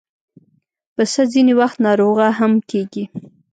پسه ځینې وخت ناروغه هم کېږي.